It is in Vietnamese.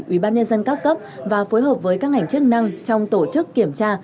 ủy ban nhân dân cao cấp và phối hợp với các hành chức năng trong tổ chức kiểm tra